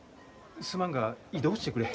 すまんが移動してくれ。